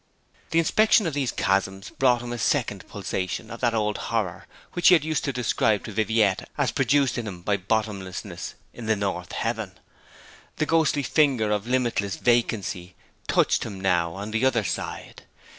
The inspection of these chasms brought him a second pulsation of that old horror which he had used to describe to Viviette as produced in him by bottomlessness in the north heaven. The ghostly finger of limitless vacancy touched him now on the other side.